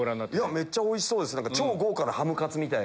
めっちゃおいしそうです。